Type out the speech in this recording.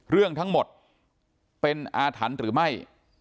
เรื่องทั้งหมดเป็นอาถรรพ์หรือไม่